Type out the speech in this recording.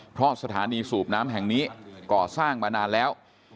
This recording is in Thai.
เพราะสถานีสูบน้ำแห่งนี้ก่อสร้างมานานแล้ว